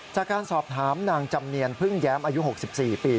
จากการสอบถามนางจำเนียนพึ่งแย้มอายุ๖๔ปี